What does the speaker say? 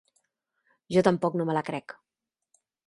Ja tampoc no me la crec.